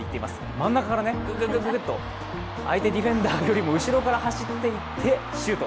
真ん中からぐんぐんと相手ディフェンダーよりも後ろから走っていってシュート。